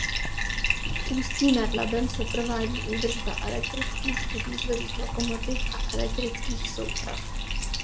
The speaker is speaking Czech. V Ústí nad Labem se provádí údržba elektrických i dieselových lokomotiv a elektrických souprav.